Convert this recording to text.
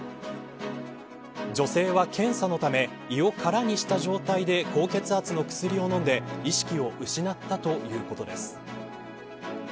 女性は、検査のため胃を空にした状態で高血圧の薬を飲んで意識を失ったということです。